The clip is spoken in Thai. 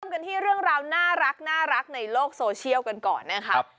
กันที่เรื่องราวน่ารักในโลกโซเชียลกันก่อนนะครับ